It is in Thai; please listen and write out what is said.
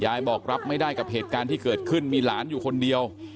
ยายบอกรับไม่ได้กับเหตุการณ์ที่เกิดขึ้นมีหลานอยู่คนเดียว